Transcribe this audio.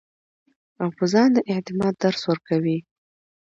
او پۀ ځان د اعتماد درس ورکوي -